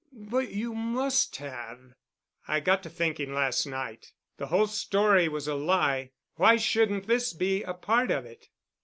"But you must have——" "I got to thinking—last night. The whole story was a lie—why shouldn't this be a part of it?"